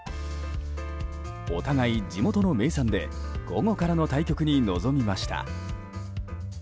お互い地元の名産で午後からの対局に臨みました。